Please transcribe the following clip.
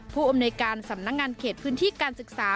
ผู้อำนวยการสำนักงานเขตพื้นที่การศึกษา